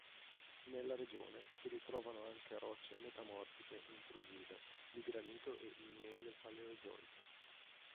Nella regione si ritrovano anche rocce metamorfiche intrusive di granito e ignee del Paleozoico.